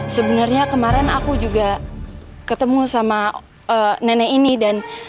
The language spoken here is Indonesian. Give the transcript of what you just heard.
sebenarnya kemarin aku juga ketemu sama nenek ini dan